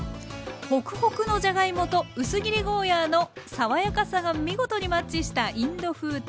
ホクホクのじゃがいもと薄切りゴーヤーの爽やかさが見事にマッチしたインド風天ぷら。